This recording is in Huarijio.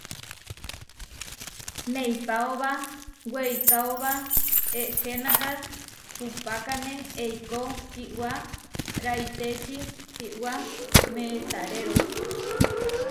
Neipaóba weikáoba ehenáka, uʼpákane eikó iʼwá raitéči iʼwá meetaréro.